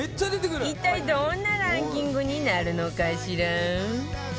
一体どんなランキングになるのかしら？